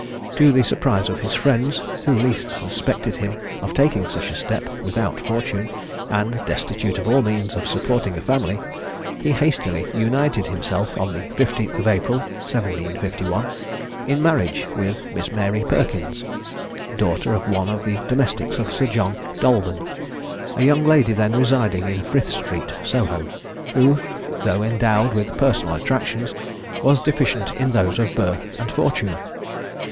To the surprise of his friends, who least suspected him of taking such a step, without fortune, and destitute of all means of supporting a family, he hastily united himself, on the 15th of April 1751, in marriage with Miss Mary Perkins, daughter of one of the domestics of Sir John Dolben, a young lady then residing in Frith street, Soho, who, though endowed with personal attractions, was deficient in those of birth and fortune.